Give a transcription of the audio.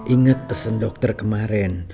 ingat pesen dokter kemarin